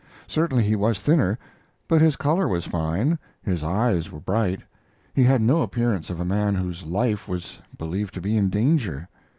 Certainly he was thinner, but his color was fine, his eyes were bright; he had no appearance of a man whose life was believed to be in danger.